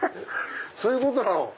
そういうことなの⁉